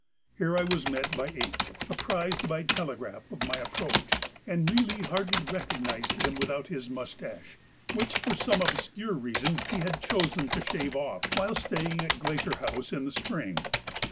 Here I was met by H., apprised by telegraph of my approach, and really hardly recognised him without his moustache, which for some obscure reason he had chosen to shave off while staying at the Glacier House in the spring.